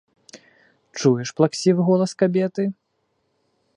Чуеш плаксівы голас кабеты?